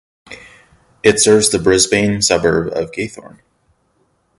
It serves the Brisbane suburb of Gaythorne.